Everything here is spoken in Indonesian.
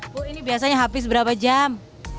buk ini biasanya habis berapa jam